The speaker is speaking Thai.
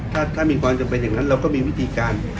ถ้ามีความจำเป็นอย่างนั้นเราก็มีวิธีการ